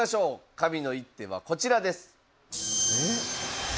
神の一手はこちらです。